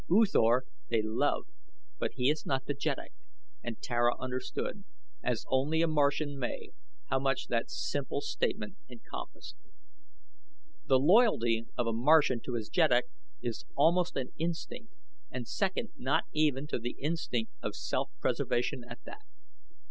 U Thor they love, but he is not the jeddak," and Tara understood, as only a Martian may, how much that simple statement encompassed. The loyalty of a Martian to his jeddak is almost an instinct, and second not even to the instinct of self preservation at that.